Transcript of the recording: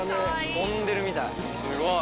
飛んでるみたい！